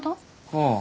ああ。